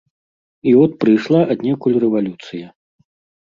І от прыйшла аднекуль рэвалюцыя.